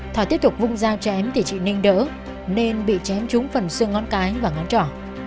thỏa tiếp tục vung dao chém thì chị ninh đỡ nên bị chém trúng phần xương ngón cái và ngón trỏ